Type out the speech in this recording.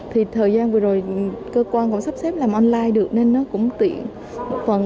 thì thời gian vừa rồi cơ quan còn sắp xếp làm online được nên nó cũng tiện một phần